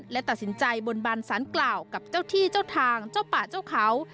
และตัดสินใจบนบานสารกล่าวกับเจ้าที่เจ้าทางเจ้าป่าเจ้าเขา